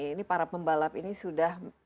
ini para pembalap ini sudah